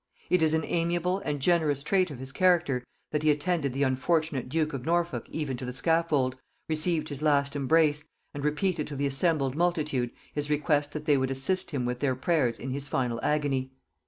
It is an amiable and generous trait of his character, that he attended the unfortunate duke of Norfolk even to the scaffold, received his last embrace, and repeated to the assembled multitude his request that they would assist him with their prayers in his final agony.